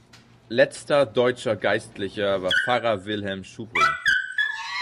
Letzter deutscher Geistlicher war Pfarrer Wilhelm Schubring.